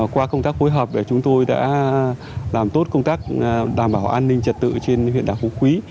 qua công tác phối hợp chúng tôi đã làm tốt công tác đảm bảo an ninh trật tự trên huyện đảo phú quý